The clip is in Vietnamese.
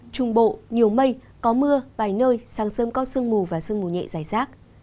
trung bộ nhiều mây có mưa vài nơi sáng sớm có sương mù và sương mù nhẹ dài rác